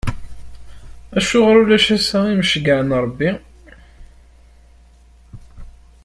Acuɣer ulac ass-a imceyyɛen n Ṛebbi?